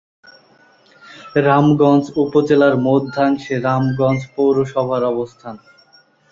রামগঞ্জ উপজেলার মধ্যাংশে রামগঞ্জ পৌরসভার অবস্থান।